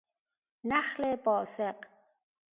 نخل باسق